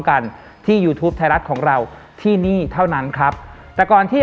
กันที่ยูทูปไทยรัฐของเราที่นี่เท่านั้นครับแต่ก่อนที่